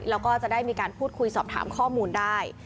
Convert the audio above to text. แล้วก็จะได้มีการพูดคุยสอบถามข้อมูลได้